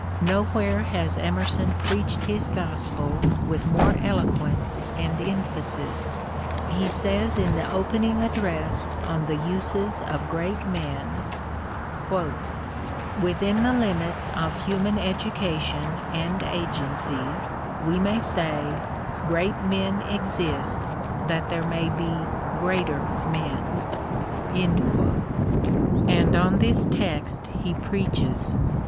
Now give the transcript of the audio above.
Nowhere has Emer son preached his gospel with more eloquence and emphasis. He says in the opening address on the uses of great men : Within the limits of human education and agency, we may say, great men exist that there may be greater men ; 150 EMERSON and on this text he preaches.